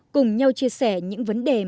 cùng nhau chia sẻ những vấn đề